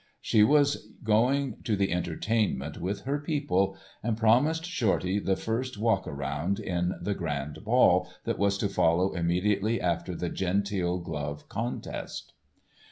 She was going to the entertainment with her people, and promised Shorty the first "walk around" in the "Grand Ball" that was to follow immediately after the Genteel Glove Contest.